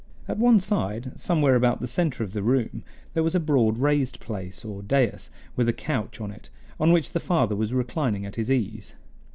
At one side, somewhere about the center of the room, there was a broad raised place, or dais, with a couch on it, on which the father was reclining at his ease.